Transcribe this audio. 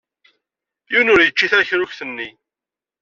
Yiwen ur yečči tarekrukt-nni.